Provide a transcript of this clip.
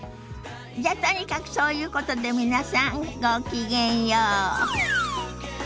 じゃとにかくそういうことで皆さんごきげんよう。